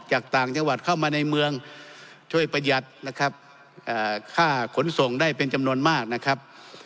จากต่างจังหวัดเข้ามาในเมืองช่วยประหยัดนะครับค่าขนส่งได้เป็นจำนวนมากนะครับ